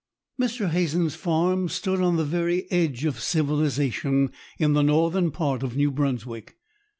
Mr. Hazen's farm stood on the very edge of civilization, in the northern part of New Brunswick.